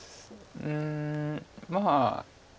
うんまあ